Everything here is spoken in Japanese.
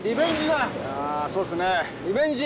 あそうっすねリベンジ！